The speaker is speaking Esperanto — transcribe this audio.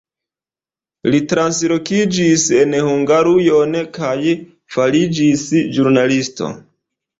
Li translokiĝis en Hungarujon kaj fariĝis ĵurnalisto.